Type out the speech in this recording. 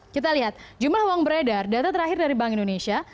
kita lihat jumlah uang beredar data terakhir dari bank indonesia